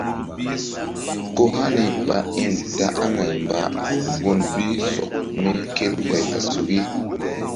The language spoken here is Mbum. Ko hani ɓa in ta aŋay mba gun bi sɔk mi kerɓay a suki.